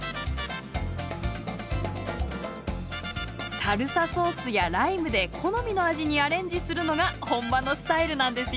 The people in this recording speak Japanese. サルサソースやライムで好みの味にアレンジするのが本場のスタイルなんですよ。